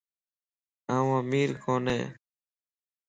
آن امير ڪونئي